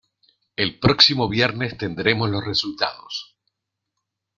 El próximo viernes tendremos los resultados.